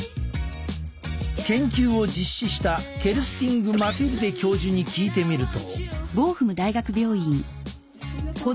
研究を実施したケルスティング・マティルデ教授に聞いてみると。